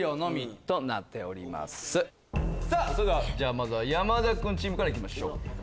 まずは山田君チームから行きましょう。